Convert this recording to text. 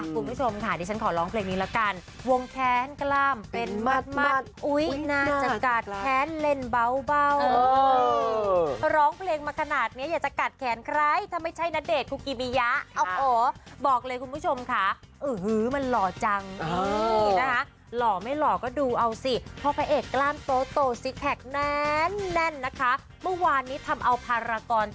คุณผู้ชมขาดิชฉันขอร้องเพลงนี้ละการ